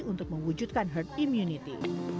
untuk mewujudkan herd immunity